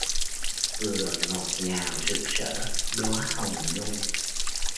Vừa ngọt ngào rực rỡ đóa hồng nhung?